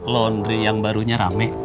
laundry yang barunya rame